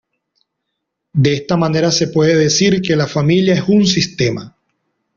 De esta manera se puede decir que la familia es un sistema.